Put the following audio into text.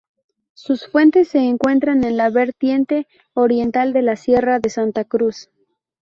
Sus fuentes se encuentran en la vertiente oriental de la Sierra de Santa Cruz.